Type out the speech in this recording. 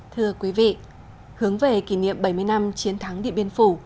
thưa quý vị hướng về kỷ niệm bảy mươi năm chiến thắng địa biên phủ